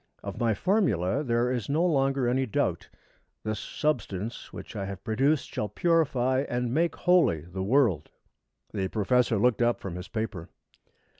Of my formula there is no longer any doubt. This substance which I have produced shall purify and make holy the world._'" The professor looked up from his paper.